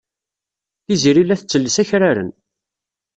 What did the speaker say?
Tiziri la tettelles akraren.